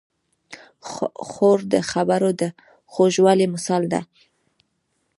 خور د خبرو د خوږوالي مثال ده.